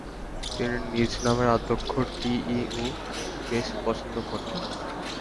তিনি নিজ নামের আদ্যক্ষর টি.ই. ও বেশ পছন্দ করতেন।